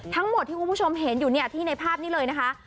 ทั้งหมดที่คุณผู้ชมเห็นอยู่เนี่ยที่ในภาพนี้เลยนะคะ